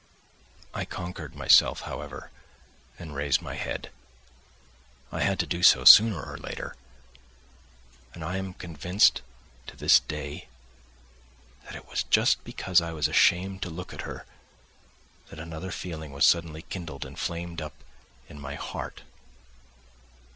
I conquered myself, however, and raised my head; I had to do so sooner or later ... and I am convinced to this day that it was just because I was ashamed to look at her that another feeling was suddenly kindled and flamed up in my heart